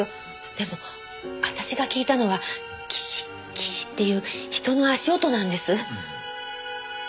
でも私が聞いたのはギシッギシッていう人の足音なんです。